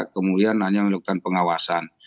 kemudian hanya melakukan pengawasan